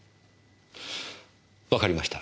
わかりました。